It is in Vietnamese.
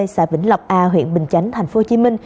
xã vĩnh lọc a huyện bình chánh tp hcm